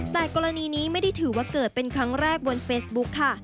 แต่กรณีนี้ไม่ได้ถือว่าเกิดเป็นครั้งแรกบนเฟซบุ๊คค่ะ